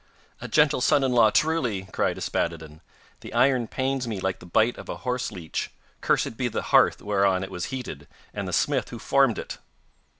'A gentle son in law, truly!' cried Yspaddaden, 'the iron pains me like the bite of a horse leech. Cursed be the hearth whereon it was heated, and the smith who formed it!